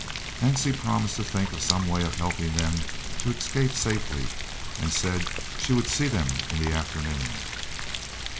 Hansie promised to think of some way of helping them to escape safely, and said she would see them in the afternoon.